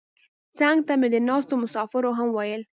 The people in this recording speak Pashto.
څنګ ته مې ناستو مسافرو هم ویل.